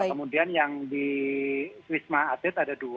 kemudian yang di wisma atlet ada dua